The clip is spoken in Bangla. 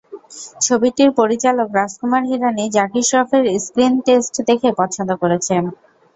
ছবিটির পরিচালক রাজকুমার হিরানি জ্যাকি শ্রফের স্ক্রিন টেস্ট দেখে পছন্দ করেছেন।